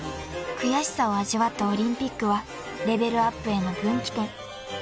［悔しさを味わったオリンピックはレベルアップへの分岐点］